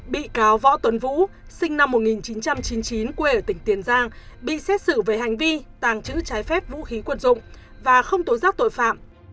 bị cáo võ tuấn vũ sinh năm một nghìn chín trăm chín mươi chín quê ở tỉnh tiền giang bị xét xử về hành vi tàng trữ trái phép vũ khí quân dụng và không tố giác tội phạm